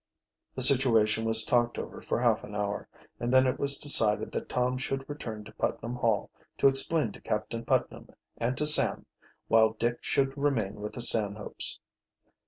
The situation was talked over for half an hour, and then it was decided that Tom should return to Putnam Hall to explain to Captain Putnam and to Sam, while Dick should remain with the Stanhopes.